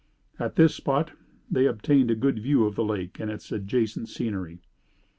At this spot they obtained a good view of the lake and its adjacent scenery.